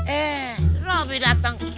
eh robi dateng